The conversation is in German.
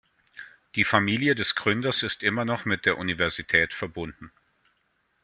Die Familie des Gründers ist immer noch mit der Universität verbunden.